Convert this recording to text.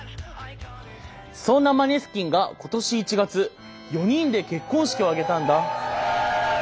そんなマネスキンが今年１月４人で結婚式を挙げたんだ。